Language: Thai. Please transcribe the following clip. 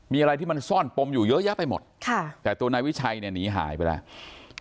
มีอะไรที่มันซ่อนปมอยู่เยอะแยะไปหมดค่ะแต่ตัวนายวิชัยเนี่ยหนีหายไปแล้ว